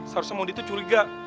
seharusnya moni tuh curiga